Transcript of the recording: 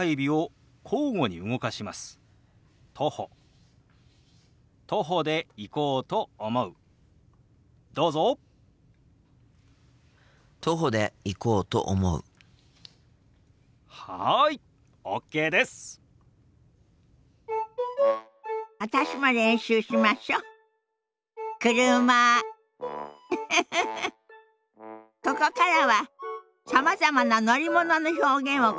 ここからはさまざまな乗り物の表現をご紹介します。